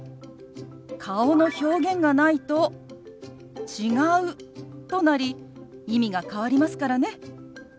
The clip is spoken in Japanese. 顔の表現がないと「違う」となり意味が変わりますからね。